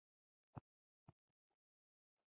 دغو قوانینو د دویم پاړکي له ګټو دفاع کوله.